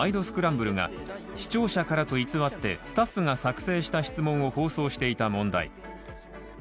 スクランブル」が視聴者からと偽ってスタッフが作成した質問を放送していた問題。